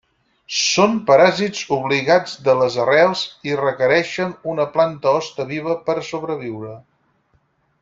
Són paràsits obligats de les arrels i requereixen una planta hoste viva per a sobreviure.